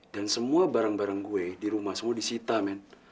dan semua barang barang saya di rumah semua disita men